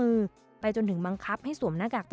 และการบริการผู้โดยสาร๑๒๗๕ราย